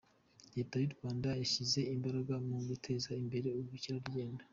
Leta y’u Rwanda yashyize imbaraga mu guteza imbere ubukerarugendo.